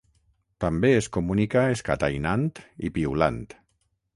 També es comunica escatainant i piulant.